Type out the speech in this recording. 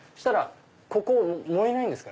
ここ燃えないんですか？